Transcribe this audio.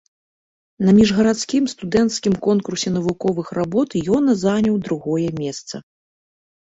На міжгарадскім студэнцкім конкурсе навуковых работ ён заняў другое месца.